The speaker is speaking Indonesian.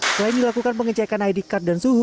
selain dilakukan pengecekan id card dan suhu